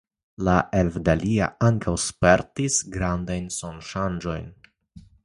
La elfdalia ankaŭ spertis grandajn sonoŝangojn.